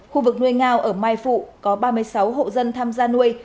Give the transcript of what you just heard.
khu vực nuôi ngao ở mai phụ có ba mươi sáu hộ dân tham gia nuôi